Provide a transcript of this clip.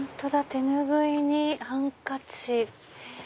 手拭いにハンカチ。